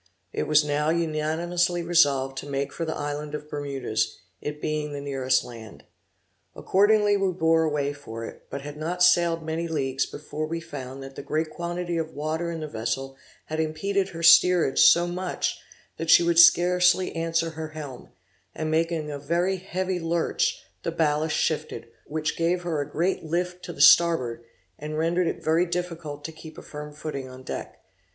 It was now unanimously resolved to make for the island of Bermudas, it being the nearest land. Accordingly we bore away for it, but had not sailed many leagues before we found that the great quantity of water in the vessel had impeded her steerage so much that she would scarcely answer her helm; and making a very heavy lurch, the ballast shifted, which gave her a great lift to the starboard, and rendered it very difficult to keep a firm footing on deck.